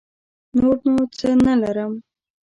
نور نو څه نه لرم.